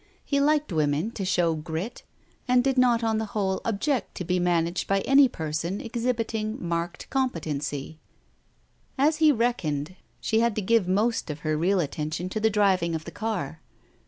He liked women to show grit, and did not on the whole object to be managed by any person exhibiting marked competency. As he reckoned, she had to give most of her real attention to the driving of the car.